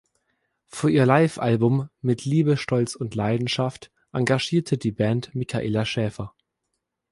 Für ihr Live-Album "Mit Liebe, Stolz und Leidenschaft" engagierte die Band Micaela Schäfer.